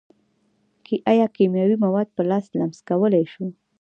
ایا کیمیاوي مواد په لاس لمس کولی شو.